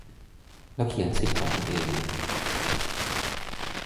แล้วเขียนสิทธิของคุณเอง